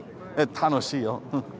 楽しいよ。